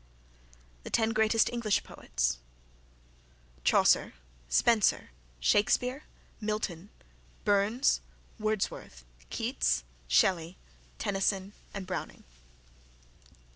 TEN GREATEST ENGLISH POETS Chaucer, Spenser, Shakespeare, Milton, Burns, Wordsworth, Keats, Shelley, Tennyson, Browning.